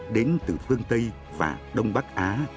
đến từ phương tây và đông bắc á